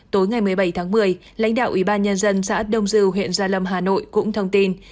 tối ngày một mươi bảy tháng một mươi lãnh đạo ủy ban nhân dân xã đông dư huyện gia lâm hà nội cũng thông tin